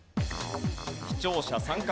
視聴者参加